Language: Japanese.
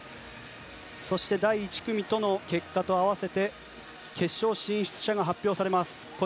そして第１組の結果と合わせて決勝進出者が発表されます。